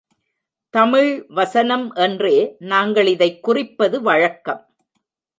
தமிழ் வசனம் என்றே நாங்கள் இதைக் குறிப்பது வழக்கம்.